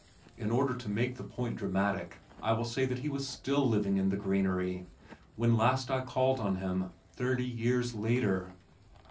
In order to make the point dramatic, I will say that he was still living in the "granary" when last I called on him thirty years later!